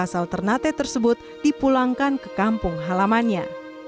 jenazah abk asal ternate tersebut dipulangkan ke kampung halamannya